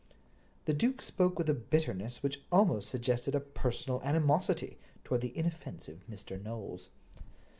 The duke spoke with a bitterness which almost suggested a personal animosity toward the inoffensive Mr. Knowles.